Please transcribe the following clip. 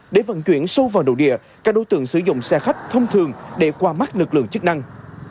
để vận chuyển sâu vào nội địa các đối tượng sử dụng xe khách thông thường để qua mắt lực lượng chức năng